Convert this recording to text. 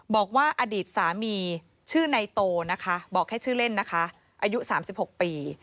บอกว่าอดีตสามีชื่อในโตนะคะบอกแค่ชื่อเล่นนะคะอายุ๓๖ปี